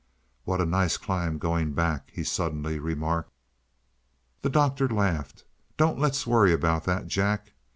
"What a nice climb going back," he suddenly remarked. The Doctor laughed. "Don't let's worry about that, Jack.